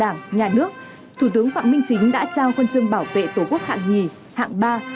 nhà nước thủ tướng phạm minh chính đã trao khuôn trương bảo vệ tổ quốc hạng hai hạng ba